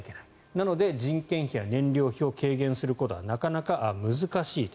なので人件費や燃料費を軽減することはなかなか難しいと。